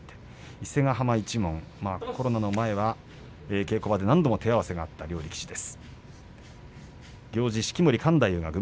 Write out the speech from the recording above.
伊勢ヶ濱一門、コロナの前は稽古場で何度も手合わせがあった両力士です。